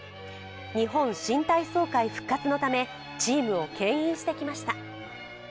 日本新体操界復活のためチームをけん引してきました。